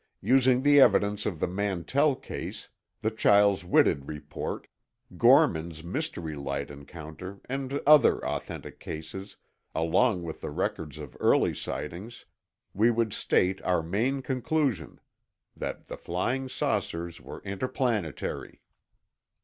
Using the evidence of the Mantell case, the Chiles Whitted report, Gorman's mystery light encounter, and other authentic cases, along with the records of early sightings, we would state our main conclusion: that the flying saucers were interplanetary.